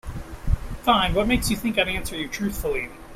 Fine, what makes you think I'd answer you truthfully?